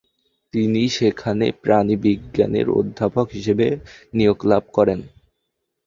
তিনি সেখানে প্রাণিবিজ্ঞানের অধ্যাপক হিসেবে নিয়োগ লাভ করেন।